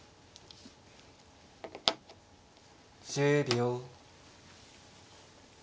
１０秒。